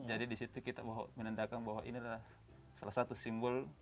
di situ kita menandakan bahwa ini adalah salah satu simbol